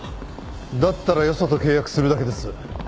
だったらよそと契約するだけです